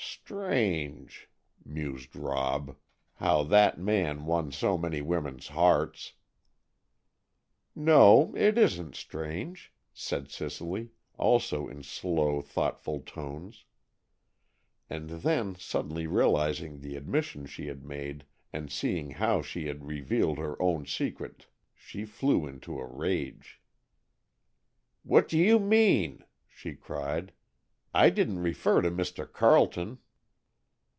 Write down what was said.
"Strange," mused Rob, "how that man won so many women's hearts." "No, it isn't strange," said Cicely, also in slow, thoughtful tones. And then, suddenly realizing the admission she had made, and seeing how she had revealed her own secret she flew into a rage. "What do you mean?" she cried. "I didn't refer to Mr. Carleton."